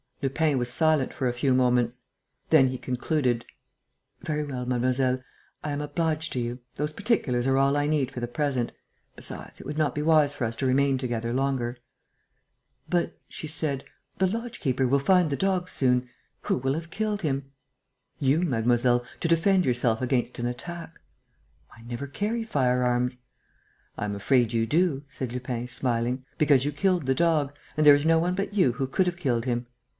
Lupin was silent for a few moments. Then he concluded: "Very well, mademoiselle, I am obliged to you. Those particulars are all I need for the present. Besides, it would not be wise for us to remain together longer." "But," she said, "the lodge keeper will find the dog soon.... Who will have killed him?" "You, mademoiselle, to defend yourself against an attack." "I never carry firearms." "I am afraid you do," said Lupin, smiling, "because you killed the dog and there is no one but you who could have killed him.